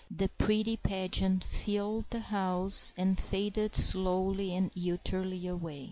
The pretty pageant filled the house, and faded slowly and utterly away.